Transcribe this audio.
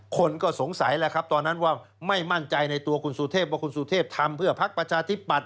คนก็สงสัยแล้วครับตอนนั้นว่าไม่มั่นใจในตัวคุณสุเทพว่าคุณสุเทพทำเพื่อพักประชาธิปัตย